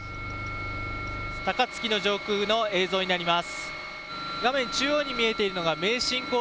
高槻の上空の映像になります。